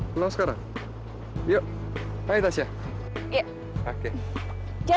perhatian banget sih